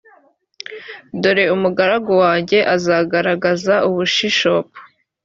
dore umugaragu wanjye o azagaragaza ubushishop